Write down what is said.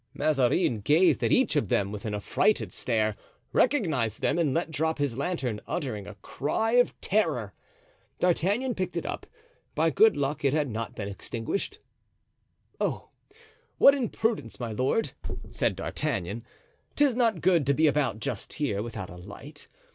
Mazarin gazed at each of them with an affrighted stare, recognized them, and let drop his lantern, uttering a cry of terror. D'Artagnan picked it up; by good luck it had not been extinguished. "Oh, what imprudence, my lord," said D'Artagnan; "'tis not good to be about just here without a light.